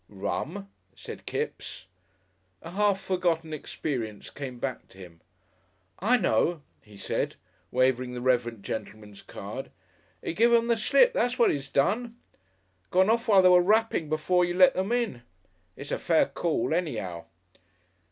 "Rum!" said Kipps. A half forgotten experience came back to him. "I know," he said, waving the reverend gentleman's card; "'e give 'em the slip, that's what he'd done. Gone off while they was rapping before you let 'em in. It's a fair call, any'ow."